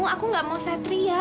aku gak mau satria